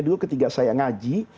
dulu ketika saya ngaji